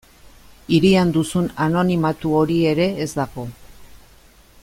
Hirian duzun anonimatu hori ere ez dago.